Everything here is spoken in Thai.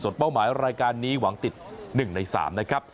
ในรายการนี้หวังติด๑ใน๓นะครับ